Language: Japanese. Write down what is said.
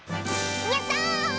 やった！